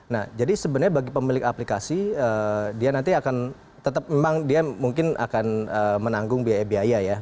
nah jadi sebenarnya bagi pemilik aplikasi dia nanti akan tetap memang dia mungkin akan menanggung biaya biaya ya